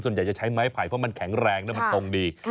ส่วนใหญ่จะใช้ไม้ไผ่เพราะมันแข็งแรงและมันตรงดี